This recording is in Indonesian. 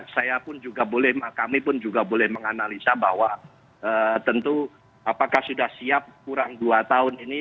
saya pun juga boleh kami pun juga boleh menganalisa bahwa tentu apakah sudah siap kurang dua tahun ini